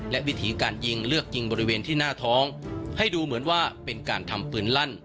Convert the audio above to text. และวิถีการยิงเลือกยิงบริเวณที่หน้าท้องให้ดูเหมือนว่าเป็นการทำปืนลั่น